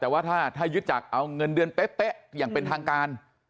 แต่ว่าถ้ายึดจากเอาเงินเดือนเป๊ะอย่างเป็นทางการ